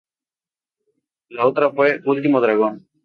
La otra fue "Último Dragon".